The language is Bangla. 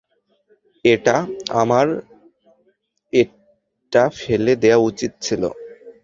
এটা, আমার এটা ফেলে দেওয়া উচিত ছিল।